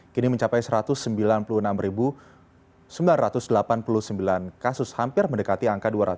kini mencapai satu ratus sembilan puluh enam sembilan ratus delapan puluh sembilan kasus hampir mendekati angka dua ratus